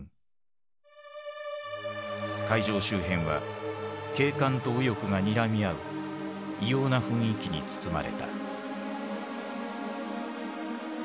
会場周辺は警官と右翼がにらみ合う異様な雰囲気に包まれた。